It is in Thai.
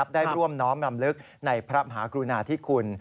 ได้ร่วมน้อมรำลึกในพระมหากรุณาธิคุณ